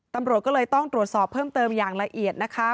ตำรวจก็เลยต้องตรวจสอบเพิ่มเติมอย่างละเอียดนะคะ